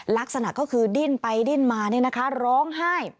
ลักษณะก็คือดิ้นไปดิ้นมาร้องไห้